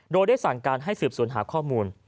โดยได้สั่งการให้สืบสวนหาข้อมูล